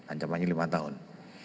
ancamannya lima tahun